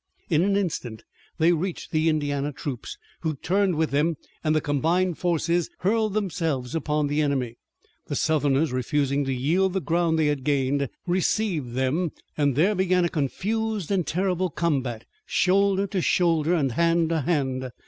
In an instant they reached the Indiana troops, who turned with them, and the combined forces hurled themselves upon the enemy. The Southerners, refusing to yield the ground they had gained, received them, and there began a confused and terrible combat, shoulder to shoulder and hand to hand.